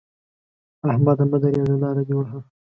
احمده! مه درېږه؛ لاره دې وهه.